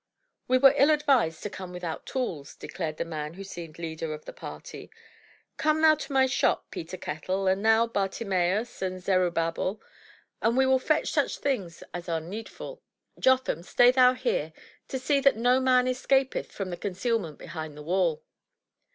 *'We were ill advised to come without tools,'* declared the man who seemed leader of the party. Come thou to my shop, Peter Kettle, and thou, Bartimeus and Zerubbabel, and we will fetch such things as are needful. Jotham, stay thou here, to see that no man escapeth from the concealment behind the wall."